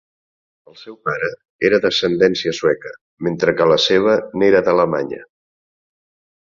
El seu pare era d'ascendència sueca, mentre que la seva n'era d'alemanya.